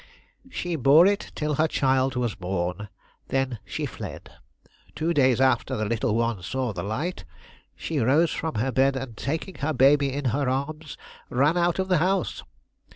She bore it till her child was born, then she fled. Two days after the little one saw the light, she rose from her bed and, taking her baby in her arms, ran out of the house.